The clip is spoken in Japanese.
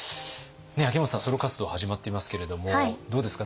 秋元さんソロ活動始まっていますけれどもどうですか？